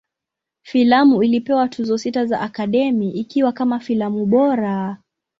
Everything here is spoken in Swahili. Filamu ilipewa Tuzo sita za Academy, ikiwa kama filamu bora.